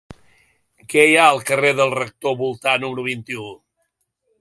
Què hi ha al carrer del Rector Voltà número vint-i-u?